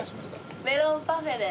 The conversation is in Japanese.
メロンパフェで。